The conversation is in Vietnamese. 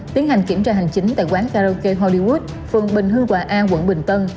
tiến hành kiểm tra hành chính tại quán karaoke hollywood phường bình hư quả a quận bình tân